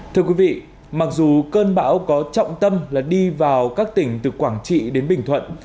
thưa quý vị mặc dù cơn bão có trọng tâm là đi vào các tỉnh từ quảng trị đến bình thuận